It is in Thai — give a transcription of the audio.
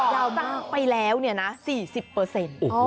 ก่อสร้างไปแล้วนี่นะ๔๐เปอร์เซ็นต์